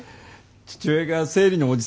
父親が生理のおじさんとか。